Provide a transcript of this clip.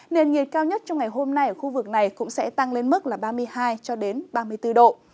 nền nhiệt cao nhất trong ngày hôm nay ở khu vực này cũng sẽ tăng lên mức là ba mươi hai ba mươi bốn độ